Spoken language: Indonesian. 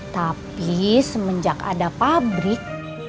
tapi semenjak ada pabrik